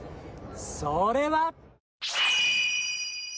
それは。